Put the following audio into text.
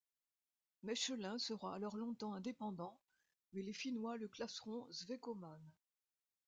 Mechelin sera alors longtemps indépendant, mais les Finnois le classeront svecomane.